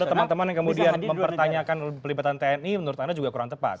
jadi kalau ada teman teman yang kemudian mempertanyakan pelibatan tni menurut anda juga kurang tepat